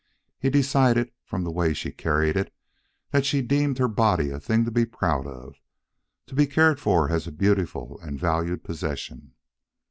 He decided, from the way she carried it, that she deemed her body a thing to be proud of, to be cared for as a beautiful and valued possession.